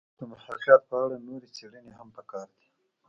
د محاکات په اړه نورې څېړنې هم پکار دي